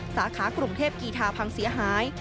สาขากรุงเทพกีธาพังเสียหาย